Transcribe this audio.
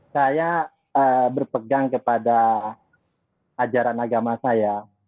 saya berpegang kepada ajaran agama saya